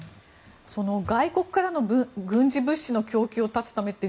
外国からの軍事物資の供給を断つためって